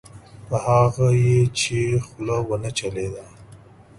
په هغه یې چې خوله ونه چلېده.